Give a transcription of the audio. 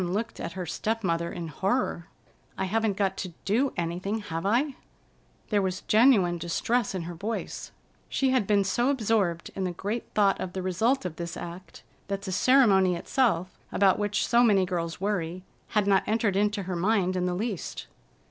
Dawn looked at her step mother in horror. "I haven't got to do anything, have I?" There was genuine distress in her voice. She had been so absorbed in the great thought of the result of this act that the ceremony itself, about which so many girls worry, had not entered into her mind in the least.